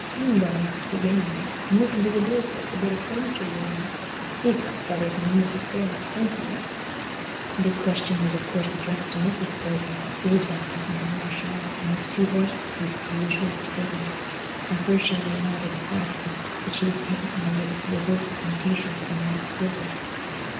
You'n got enough to begin on, and we can do a deal tow'rt the bit o' furniture you'll want. Thee'st got feathers and linen to spare—plenty, eh?" This question was of course addressed to Mrs. Poyser, who was wrapped up in a warm shawl and was too hoarse to speak with her usual facility. At first she only nodded emphatically, but she was presently unable to resist the temptation to be more explicit.